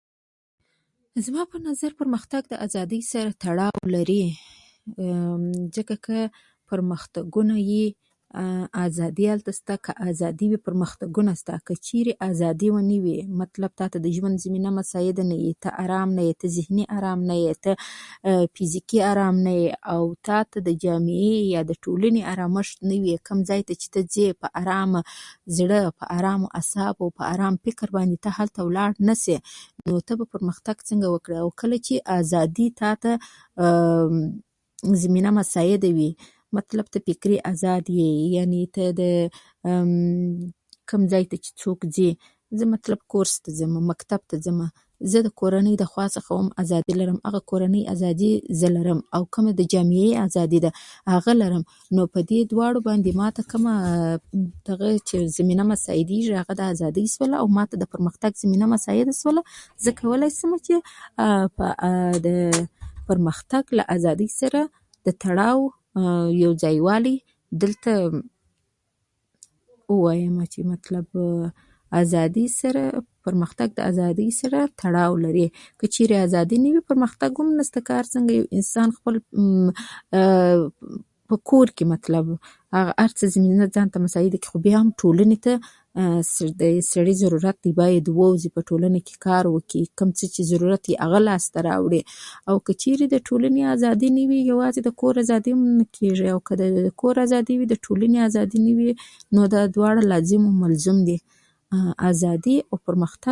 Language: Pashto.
زما په نظر، پرمختګ د ازادۍ سره تړاو لري، ځکه که پرمختګ وي، ازادي هلته شته؛ که ازادي وي، پرمختګ هلته شته. که چیرې ازادي نه وي، مطلب دا چې د ژوند زمینه مساعده نه وي، ذهني ارام نه وي، فزيکي ارام نه وي، او حتی د ټولنې یا جامعې ارام هم نه وي، نو کوم ځای ته چې ته ځې، په ارامه زړه، په ارام عصابو او ارام فکر باندې هلته ولاړ نه شې. نو ته به پرمختګ څنګه وکړې؟ کله چې د ازادۍ زمینه مساعده وي، مطلب ذهني ارامي او فکري ازادي وي، یعنې زه کولی شم کورس ته ولاړ شم، مکاتب ته ولاړ شم، زه د کورنۍ له خوا ازادي لرم او د ټولنې ازادي هم لرم. نو په دې دواړو کې چې کومه زمینه ماته مساعده ده، هغه د ازادۍ شوله او ماته د پرمختګ زمینه مساعده شوه. زه کولای شم د ازادۍ او پرمختګ ترمنځ تړاو ووایم، یعنې پرمختګ د ازادۍ سره تړاو لري.